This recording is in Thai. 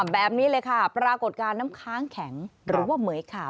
แบบนี้เลยค่ะปรากฏการณ์น้ำค้างแข็งหรือว่าเหมือยขาบ